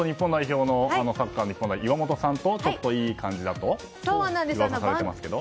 元サッカー日本代表の岩本さんとちょっといい感じだと噂されていますけど。